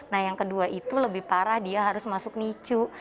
nah yang kedua itu lebih parah dia harus masuk nicu